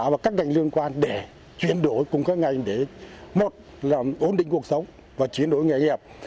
và các ngành liên quan để chuyển đổi cùng các ngành để một là ổn định cuộc sống và chuyển đổi nghề nghiệp